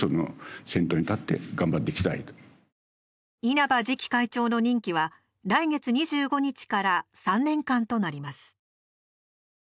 稲葉次期会長の任期は来月２５日から３年間となります。